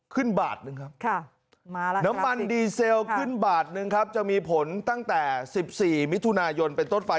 บาทหนึ่งครับน้ำมันดีเซลขึ้นบาทนึงครับจะมีผลตั้งแต่๑๔มิถุนายนเป็นต้นไป